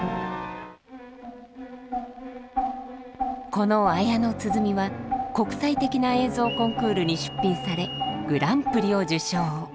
この「綾の鼓」は国際的な映像コンクールに出品されグランプリを受賞。